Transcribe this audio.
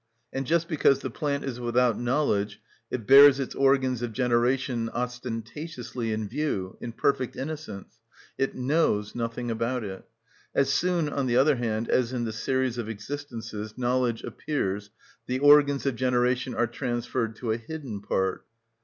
And just because the plant is without knowledge it bears its organs of generation ostentatiously in view, in perfect innocence; it knows nothing about it. As soon, on the other hand, as in the series of existences knowledge appears the organs of generation are transferred to a hidden part.